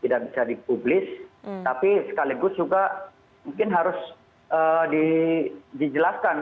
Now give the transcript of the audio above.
tidak bisa dipublis tapi sekaligus juga mungkin harus dijelaskan